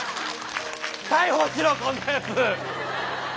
逮捕しろこんなやつ！